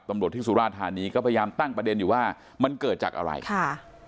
ตำรวจที่สุราธานีก็พยายามตั้งประเด็นอยู่ว่ามันเกิดจากอะไรค่ะ